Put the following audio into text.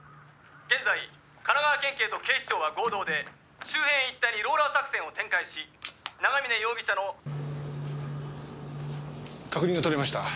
「現在神奈川県警と警視庁は合同で周辺一帯にローラー作戦を展開し長嶺容疑者の」確認が取れました。